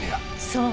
そう。